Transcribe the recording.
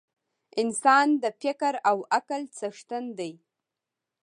انسان د فکر او عقل څښتن دی.